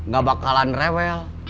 gak bakalan rewel